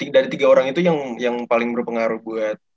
dari tiga orang itu yang paling berpengaruh buat